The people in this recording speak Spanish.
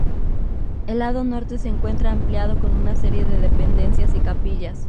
El lado norte se encuentra ampliado con una serie de dependencias y capillas.